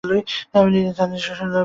তার নিজস্ব সৈন্য বিদ্রোহের প্রান্তে ছিল।